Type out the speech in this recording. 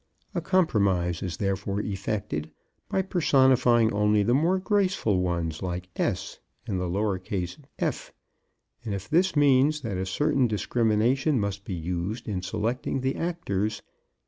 A compromise is therefore effected by personifying only the more graceful ones, like S and the lower case f, and this means that a certain discrimination must be used in selecting the actors.